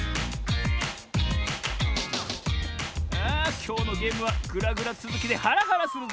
あきょうのゲームはグラグラつづきでハラハラするぜ。